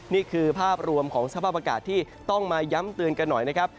นี่คือภาพรวมของสภาพอากาศที่ต้องมาย้ำเตือนกันหน่อยนะครับ